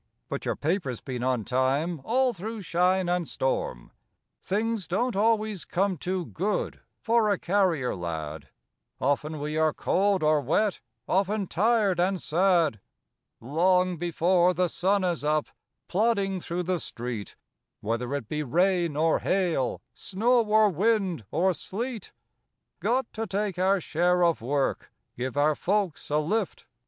But your paper's been on time All through shine and storm. Things don't always come too good For a carrier lad. Often we are cold or wet, Often tired and sad. Long before the sun is up, Plodding through the street, Whether it be rain or hail, Snow or wind or sleet. Got to take our share of work, Give our folks a lift.